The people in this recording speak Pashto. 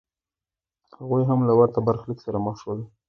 هغوی هم له ورته برخلیک سره مخ شول